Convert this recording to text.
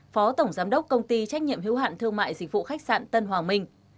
phó tổng giám đốc công ty trách nhiệm hữu hạn thương mại dịch vụ khách sạn tân hoàng minh